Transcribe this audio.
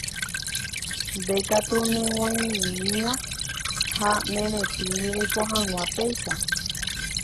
Ndékatu neg̃uaig̃uĩma ha neretĩri reiko hag̃ua péicha.